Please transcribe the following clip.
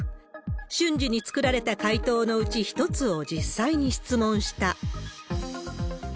瞬時に作られた回答のうち、１つを実際に質問した。